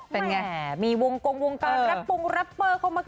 เป็นไงมีวงกลงวงกลางรับปุงรับเปอร์เข้ามาเกี่ยวข้องด้วย